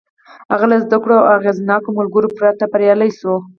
هغه له زدهکړو او اغېزناکو ملګرو پرته بريالی شو.